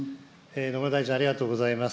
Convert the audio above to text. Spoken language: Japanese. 野村大臣、ありがとうございます。